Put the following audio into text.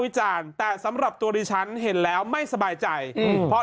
จานแต่สำหรับตัวดิฉันเห็นแล้วไม่สบายใจอืมเพราะ